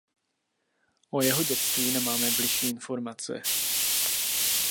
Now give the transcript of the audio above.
O jeho dětství nemáme bližší informace.